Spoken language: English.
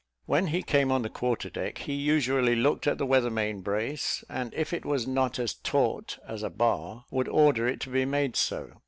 When he came on the quarter deck, he usually looked at the weather main brace, and if it was not as taut as a bar, would order it to be made so.